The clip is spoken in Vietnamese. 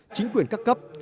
chính quyền các cấp